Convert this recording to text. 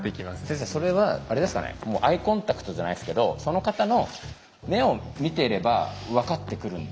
先生それはあれですかねもうアイコンタクトじゃないですけどその方の目を見てれば分かってくるんですかね？